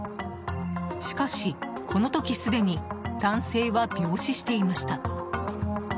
しかし、この時すでに男性は病死していました。